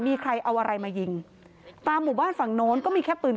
มีใครเอาอะไรมายิงตามหมู่บ้านฝั่งโน้นก็มีแค่ปืน